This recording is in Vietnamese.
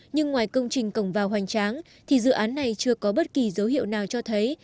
nhưng ngoài công trình cổng vào hoành tráng thì dự án này chưa có bất kỳ dấu hiệu nào cho thấy